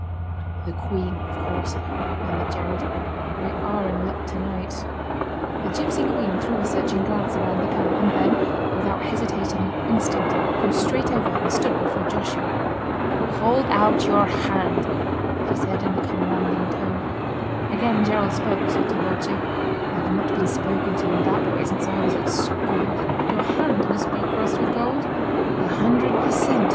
"The Queen, of course," murmured Gerald. "We are in luck tonight." The gipsy Queen threw a searching glance around the camp, and then, without hesitating an instant, came straight over and stood before Joshua. "Hold out your hand," she said in a commanding tone. Again Gerald spoke, sotto voce: "I have not been spoken to in that way since I was at school." "Your hand must be crossed with gold." "A hundred per cent.